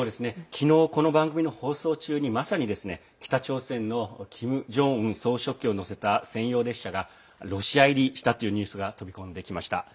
昨日、この番組の放送中にまさに、北朝鮮のキム・ジョンウン総書記を乗せた専用列車がロシア入りしたというニュースが飛び込んできました。